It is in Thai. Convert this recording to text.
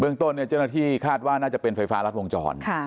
ต้นเจ้าหน้าที่คาดว่าน่าจะเป็นไฟฟ้ารัดวงจร